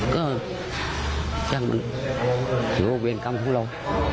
ก็ทำมันโทรเวียงกรรมของเรา